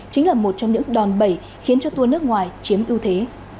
chính là một trong những đòn bẩy khiến cho tour nước ngoài chiếm ưu thế